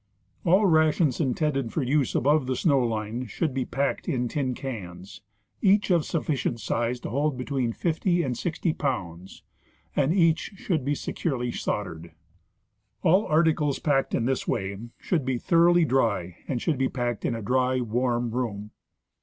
All rations intended for use above the snow line should be packed in tin cans, each of sufficient size to hold between fifty and sixty pounds, and each should be securely soldered. All articles packed in this way should be thoroughly dry and should be packed in a dry, warm room.